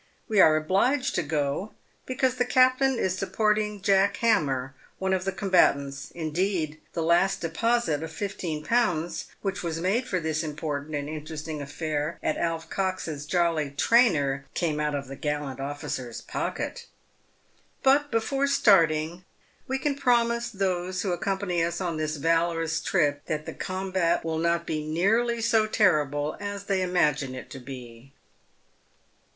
We are obliged to go, because the captain is supporting Jack Ham mer, one of the combatants — indeed, the last deposit of 15Z. which was made for this important and interesting affair at Alf Cox's " Jolly Trainer," came out of the gallant officer's pocket. But, before starting, we can promise those who accompany us on this valorous trip, that the combat will not be nearly so terrible as they imagine it to be.